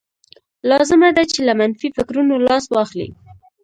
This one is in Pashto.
لازمه ده چې له منفي فکرونو لاس واخلئ.